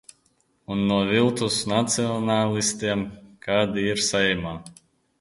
Un no viltus nacionālistiem, kādi ir Saeimā!